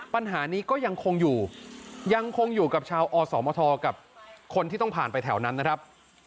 ปัญหานี้ก็ยังคงอยู่ยังคงอยู่กับชาวอสมทกับคนที่ต้องผ่านไปแถวนั้นนะครับ